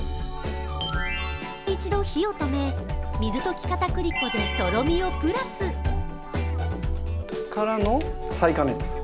一度火をとめ、水溶き片栗粉でとろみをプラス。からの、再加熱。